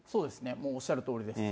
もうおっしゃるとおりです。